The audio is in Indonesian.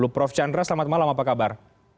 prof chandra selamat malam apa kabar